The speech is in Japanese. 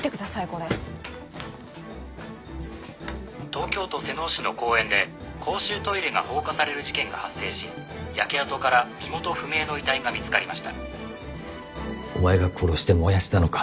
これ東京都妹尾市の公園で公衆トイレが放火される事件が発生し焼け跡から身元不明の遺体が見つかりましたお前が殺して燃やしたのか？